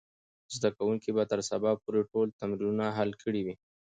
زده کوونکي به تر سبا پورې ټول تمرینونه حل کړي وي.